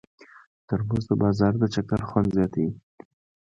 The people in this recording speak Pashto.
ترموز د بازار د چکر خوند زیاتوي.